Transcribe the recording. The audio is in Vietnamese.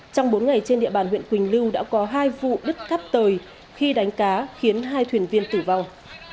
trong bốn ngày trên địa bàn huyện quỳnh lưu đã có hai vụ đứt cắt tời khi đánh cá khiến hai thuyền viên tử vong